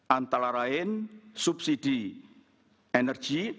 antara lain subsidi energi